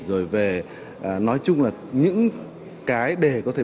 rồi về nói chung là những cái để có thể